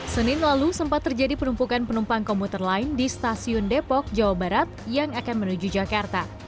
senin lalu sempat terjadi penumpukan penumpang komuter lain di stasiun depok jawa barat yang akan menuju jakarta